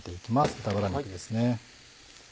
豚バラ肉ですね。